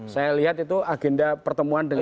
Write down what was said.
saya lihat itu agenda pertemuan dengan